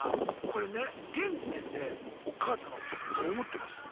これね現時点でお母さんのことってどう思ってます？